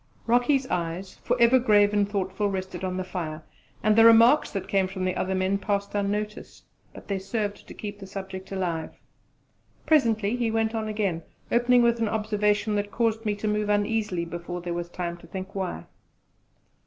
Rocky's eyes for ever grave and thoughtful rested on the fire; and the remarks that came from the other men passed unnoticed, but they served to keep the subject alive. Presently he went on again opening with an observation that caused me to move uneasily before there was time to think why!